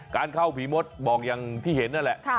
การเข้าผีมดบอกอย่างที่เห็นนั่นแหละ